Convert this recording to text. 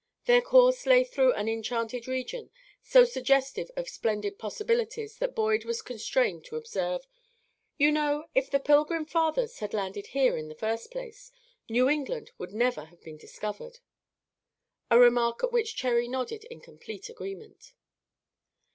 Their course lay through an enchanted region, so suggestive of splendid possibilities that Boyd was constrained to observe: "You know, if the Pilgrim Fathers had landed here in the first place, New England would never have been discovered," a remark at which Cherry nodded in complete agreement.